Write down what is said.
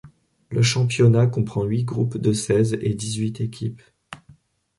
Le championnat comprend huit groupes de seize et dix-huit équipes.